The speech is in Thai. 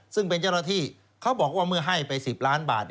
ซึ่งเป็นเจ้าหน้าที่เขาบอกว่าเมื่อให้ไป๑๐ล้านบาท